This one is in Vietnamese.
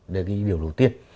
đấy là cái điều đầu tiên